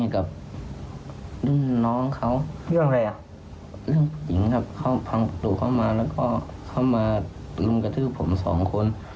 กับรุ่นน้องเขาเรื่องอะไรอ่ะเรื่องหญิงครับเขาพังประตูเข้ามาแล้วก็เข้ามารุมกระทืบผมสองคน